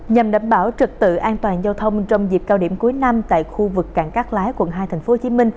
nhằm đảm bảo trực tự an toàn giao thông trong dịp cao điểm cuối năm tại khu vực cảng cát lái quận hai tp hcm